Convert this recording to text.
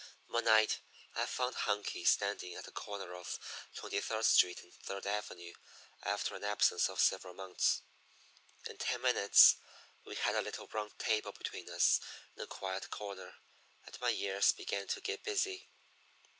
One night I found Hunky standing at a corner of Twenty third Street and Third Avenue after an absence of several months. In ten minutes we had a little round table between us in a quiet corner, and my ears began to get busy.